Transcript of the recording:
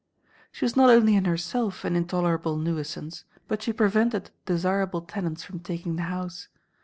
She was not only in herself an intolerable nuisance, but she prevented desirable tenants from taking the house.